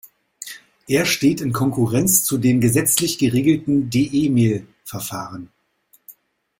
Er steht in Konkurrenz zu dem gesetzlich geregelten De-Mail-Verfahren.